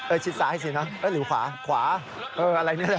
ชิดซ้ายสินะหรือขวาขวาเอออะไรนี่แหละ